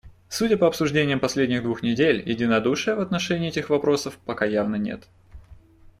Судя по обсуждениям последних двух недель, единодушия в отношении этих вопросов пока явно нет.